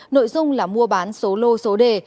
nội dung là mua bán số lô số đề